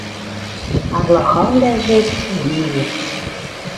Арлахавлӓжӹ — цӱдеет —